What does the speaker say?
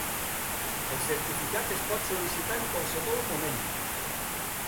El certificat es pot sol·licitar en qualsevol moment.